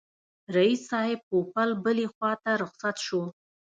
رییس صاحب پوپل بلي خواته رخصت شو.